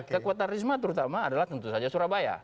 kekuatan risma terutama adalah tentu saja surabaya